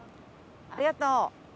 ありがとう。